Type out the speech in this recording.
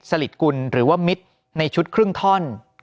ลิดกุลหรือว่ามิตรในชุดครึ่งท่อน